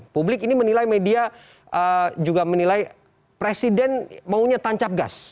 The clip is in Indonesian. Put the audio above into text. publik ini menilai media juga menilai presiden maunya tancap gas